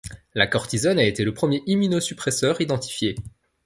La cortisone a été le premier immunosuppresseur identifié.